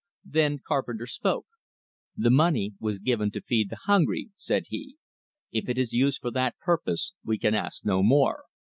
Then Carpenter spoke. "The money was given to feed the hungry," said he. "If it is used for that purpose, we can ask no more.